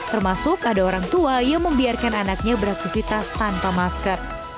termasuk ada orang tua yang membiarkan anaknya beraktivitas tanpa masker